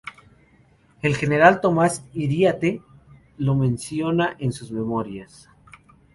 El general Tomás Iriarte lo menciona en sus memorias.